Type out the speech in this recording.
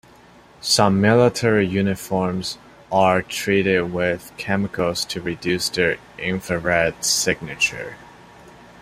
Some military uniforms are treated with chemicals to reduce their infrared signature.